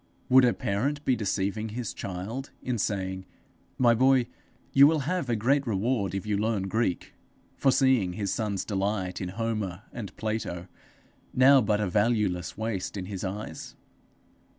Would a parent be deceiving his child in saying, 'My boy, you will have a great reward if you learn Greek,' foreseeing his son's delight in Homer and Plato now but a valueless waste in his eyes?